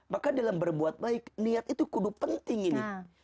maka dalam berbuat baik niat itu kudu penting ini